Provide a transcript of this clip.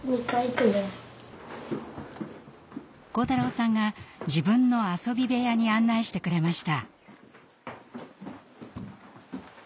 晃太郎さんが自分の遊び部屋に案内してくれました。